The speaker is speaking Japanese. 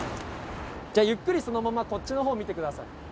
ゆっくり、そのまま、こっちのほう見てください！